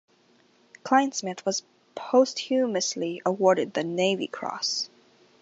Kleinsmith was posthumously awarded the Navy Cross.